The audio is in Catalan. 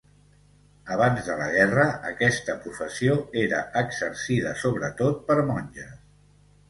Abans de la guerra aquesta professió era exercida sobretot per monges